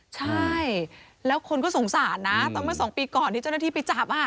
ใช่แล้วคนก็สงสารนะตอนเมื่อ๒ปีก่อนที่เจ้าหน้าที่ไปจับ